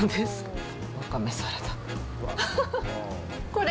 これ。